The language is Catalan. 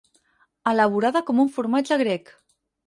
Elaborada com un formatge grec.